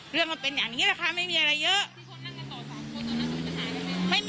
เรื่องมันเป็นอย่างนี้แหละค่ะไม่มีอะไรเยอะ